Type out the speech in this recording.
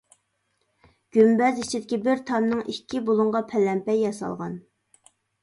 گۈمبەز ئىچىدىكى بىر تامنىڭ ئىككى بۇلۇڭىغا پەلەمپەي ياسالغان.